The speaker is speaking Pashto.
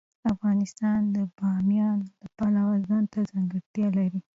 افغانستان د بامیان د پلوه ځانته ځانګړتیا لري.